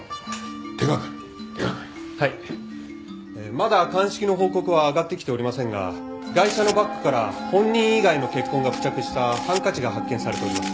まだ鑑識の報告は上がってきておりませんがガイシャのバッグから本人以外の血痕が付着したハンカチが発見されております。